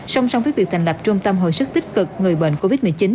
song song với việc thành lập trung tâm hồi sức tích cực người bệnh covid một mươi chín